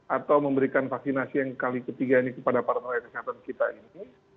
atau memberikan vaksinasi yang kali ketiga ini kepada para tenaga kesehatan kita ini